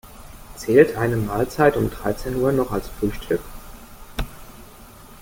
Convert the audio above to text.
Zählt eine Mahlzeit um dreizehn Uhr noch als Frühstück?